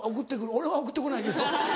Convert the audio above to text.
俺は送ってこないけど。